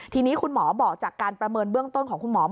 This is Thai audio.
ทีนี้คุณหมอบอกจากการประเมินเบื้องต้นของคุณหมอ